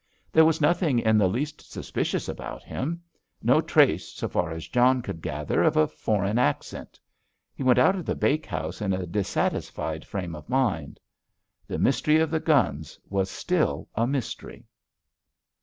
There was nothing in the least suspicious about him. No trace, so far as John could gather, of a foreign accent. He went out of the bakehouse in a dissatisfied frame of mind. The mystery of the guns was still a mystery.